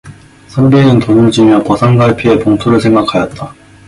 선비는 돈을 쥐며 버선 갈피의 봉투를 생각하였다.